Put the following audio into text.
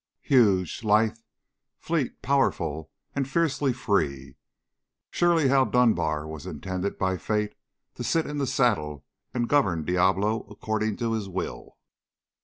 Huge, lithe, fleet, powerful, and fiercely free, surely Hal Dunbar was intended by fate to sit in the saddle and govern Diablo according to his will.